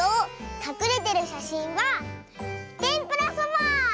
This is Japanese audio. かくれてるしゃしんはてんぷらそば！